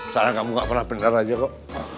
saran kamu gak pernah beneran aja kok